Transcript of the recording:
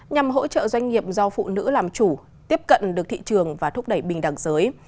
nhằm hỗ trợ doanh nghiệp do phụ nữ làm chủ tiếp cận được thị trường và thúc đẩy bình đẳng giới